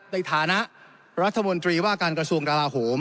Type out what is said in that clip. ในฐานะรัฐมนตรีว่าการกระทรวงกราโหม